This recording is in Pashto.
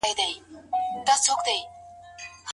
د خاوند هيبت او رعب بايد چيرته وي؟